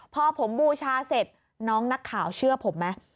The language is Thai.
พอผมบูชาเสร็จน้องนักข่าวเชื่อผมไหม